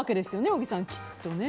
小木さん、きっとね。